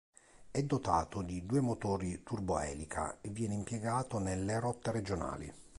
È dotato di due motori turboelica e viene impiegato nelle rotte regionali.